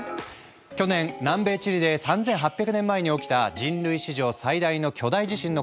去年南米チリで３８００年前に起きた人類史上最大の巨大地震の痕跡が発見された。